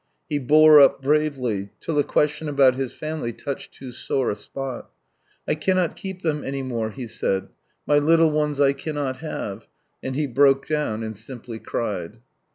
He bore up bravely, till a question about bis family touched too sore a spot, " I cannot keep them any more," he said ;" my little ones I cannot have," and he broke down and simply cried.